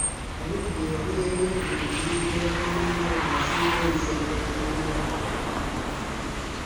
Omubbi eyali yeekwetulira emmanju wa ba Nankabirwa yasangayo emisegula gy’embwa.